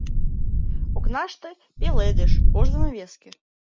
Окнаште — пеледыш, ош занавеске.